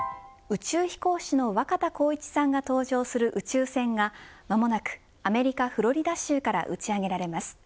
宇宙飛行士の若田光一さんが搭乗する宇宙船が間もなくアメリカ、フロリダ州から打ち上げられます。